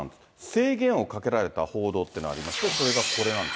制限をかけられた報道っていうのがありまして、それがこれなんです